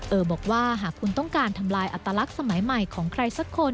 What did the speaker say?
บอกว่าหากคุณต้องการทำลายอัตลักษณ์สมัยใหม่ของใครสักคน